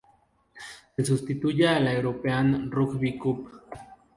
Se sustituye a la European Rugby Cup.